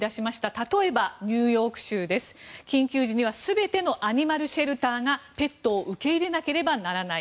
例えば、ニューヨーク州ですが緊急時には全てのアニマルシェルターがペットを受け入れなければならない。